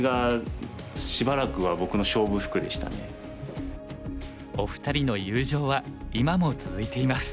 もうそれがお二人の友情は今も続いています。